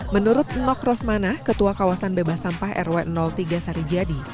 menurut nok rosmana ketua kawasan bebas sampah rw tiga sarijadi